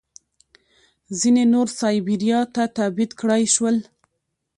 ځینې نور سایبیریا ته تبعید کړای شول